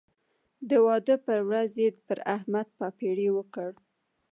د واده پر ورځ یې پر احمد بابېړۍ وکړ.